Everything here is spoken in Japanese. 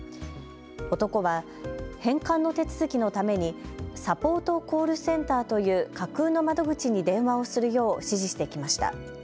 男は返還の手続きのためにサポートコールセンターという架空の窓口に電話をするよう指示してきました。